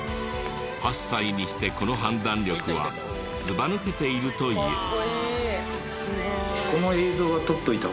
８歳にしてこの判断力はずばぬけているといえる。